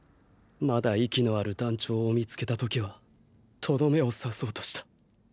まだ息のある団長を見つけた時はとどめを刺そうとした。